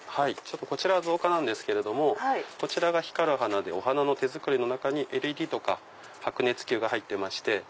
こちらは造花なんですけれどもこちらが光る花でお花の手作りの中にＬＥＤとか白熱球が入ってまして。